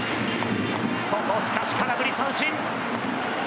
しかし空振り三振。